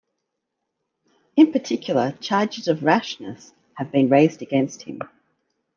In particular, charges of rashness have been raised against him.